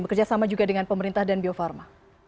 bekerja sama juga dengan pemerintah dan bio farma